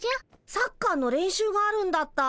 サッカーの練習があるんだった。